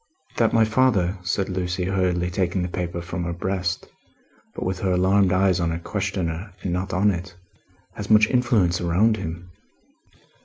"That my father," said Lucie, hurriedly taking the paper from her breast, but with her alarmed eyes on her questioner and not on it, "has much influence around him."